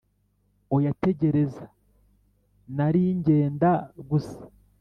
oya, tegereza, nari ngenda gusa.